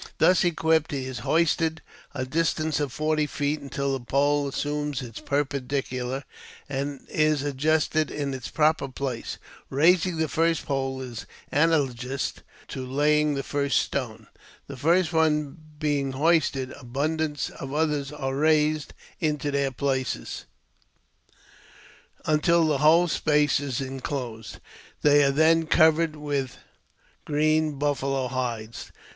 Thus equipped, he is hoisted a distance of forty feet^ until the pole assumes its perpendicularity and is adjusted i| its proper place. Eaising the first pole is analogous to laying the first stone. The first one being hoisted, abundance of others are raised into their places, until the whole space is en closed. They are then covered with green buffalo hidesL.'